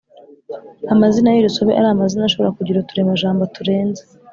amazina y’urusobe ari amazina ashobora kugira uturemajambo turenze